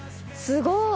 すごい。